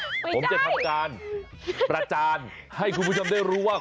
ผมจะทำการประจานให้คุณผู้ชมได้รู้ว่า